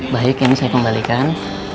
baik ini saya kembalikan